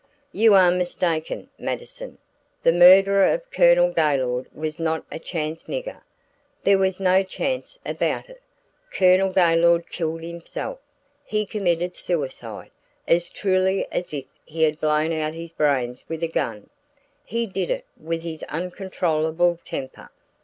"You are mistaken, Mattison, the murderer of Colonel Gaylord was not a chance nigger. There was no chance about it. Colonel Gaylord killed himself. He committed suicide as truly as if he had blown out his brains with a gun. He did it with his uncontrollable temper.